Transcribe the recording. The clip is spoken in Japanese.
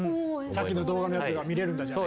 さっきの動画のやつが見れるんだじゃあ。